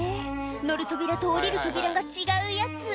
乗る扉と降りる扉が違うやつ